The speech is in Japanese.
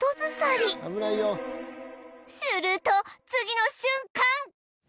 すると次の瞬間